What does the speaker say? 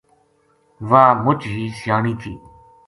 واہ مُچ ہی سیانی تھی